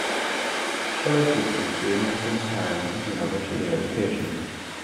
Schiller features the American pattern of university education.